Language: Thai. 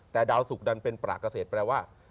แต่ดาวศุกร์นั้นเป็นปรากเกษตรแปลว่า